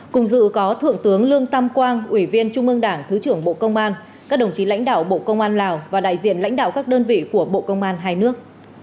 cùng dự có thượng tướng lương tam quang ủy viên trung ương đảng thứ trưởng bộ công an các đồng chí lãnh đạo bộ công an lào và đại diện lãnh đạo các đơn vị của bộ công an hai nước